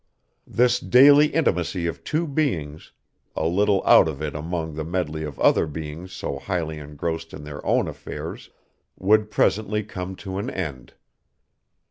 This daily intimacy of two beings, a little out of it among the medley of other beings so highly engrossed in their own affairs, would presently come to an end.